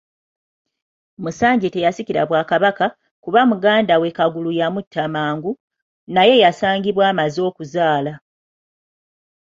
Musanje teyasikira Bwakabaka, kuba muganda we Kagulu yamutta mangu, naye yasangibwa amaze okuzaala.